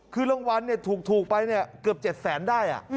คือรางวัลถูกไปเกือบ๗แสนได้